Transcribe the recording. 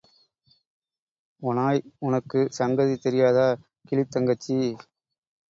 ஒநாய் உனக்குச் சங்கதி தெரியாதா கிளித்தங்கச்சி.